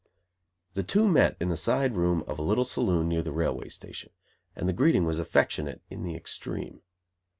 The two met in the side room of a little saloon near the railway station; and the greeting was affectionate in the extreme.